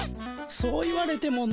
そう言われてもの。